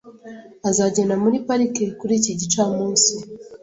Azagenda muri parike kuri iki gicamunsi .